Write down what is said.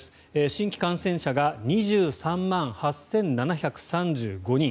新規感染者が２３万８７３５人。